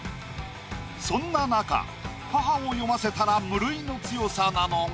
そんななか母を詠ませたら無類の強さなのが。